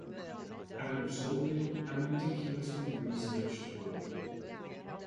An absorbing and meticulously researched work.